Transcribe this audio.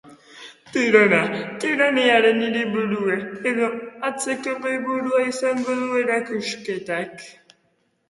Tirana, tiraniaren hiriburua edo antzeko goiburua izango du erakusketak.